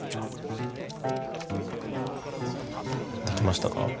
できましたか？